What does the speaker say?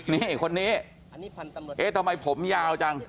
นี่คนนี้เอ๊ะทำไมผมยาวจัง